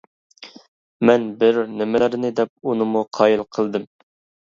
مەن بىر نېمىلەرنى دەپ ئۇنىمۇ قايىل قىلدىم.